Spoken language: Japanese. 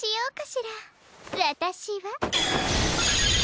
わたしは。